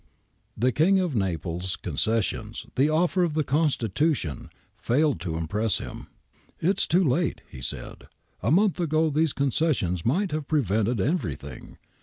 * The King of Naples' concessions, the offer of the constitution, failed to impress him. ' It is too late,' he said. * A month ago these concessions might have prevented everything.